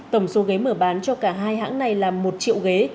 tổng số ghế mở bán cho cả hai hãng này là một triệu ghế